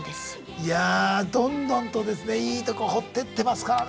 いやどんどんとですねいいとこ掘ってってますからね。